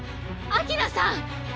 秋菜さん！